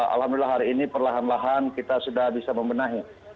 alhamdulillah hari ini perlahan lahan kita sudah bisa membenahi